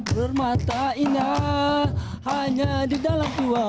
bermata inya hanya di dalam tua